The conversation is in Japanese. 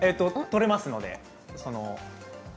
取れますので。